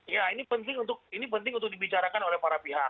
ya ini penting untuk dibicarakan oleh para pihak